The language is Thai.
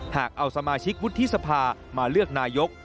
หากเอาสมาชิกวุฒิสภามาเลือกนายก